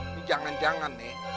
ini jangan jangan nih